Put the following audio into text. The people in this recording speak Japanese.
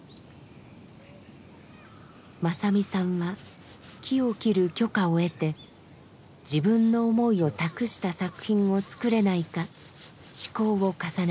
正実さんは木を切る許可を得て自分の思いを託した作品を作れないか試行を重ねました。